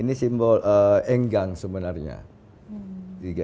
ini disebut enggang sebenarnya